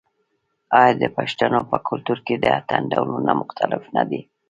آیا د پښتنو په کلتور کې د اتن ډولونه مختلف نه دي؟